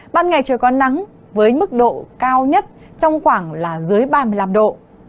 ban ngày trời có nắng với mức độ cao nhất trong khoảng là dưới ba mươi năm độ